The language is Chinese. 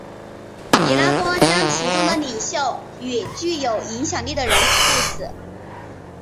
彼拉多将其中的领袖与具有影响力的人处死。